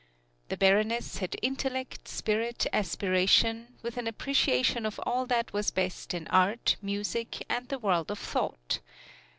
The Baroness had intellect, spirit, aspiration, with an appreciation of all that was best in art, music and the world of thought.